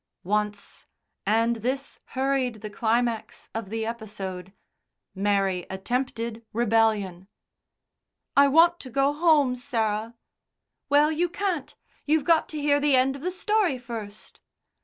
Once, and this hurried the climax of the episode, Mary attempted rebellion. "I want to go home, Sarah." "Well, you can't. You've got to hear the end of the story first."